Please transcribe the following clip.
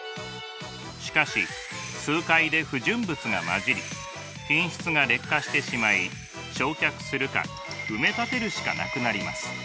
しかし数回で不純物が混じり品質が劣化してしまい焼却するか埋め立てるしかなくなります。